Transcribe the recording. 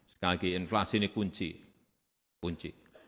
sekali lagi inflasi ini kunci kunci